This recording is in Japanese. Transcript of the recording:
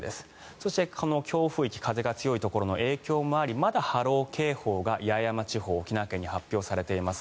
そしてこの強風域風が強いところの影響もあり波浪警報が沖縄県八重山地方に発表されています。